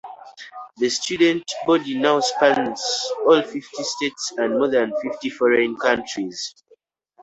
The student body now spans all fifty states and more than fifty foreign countries.